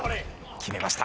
決めました。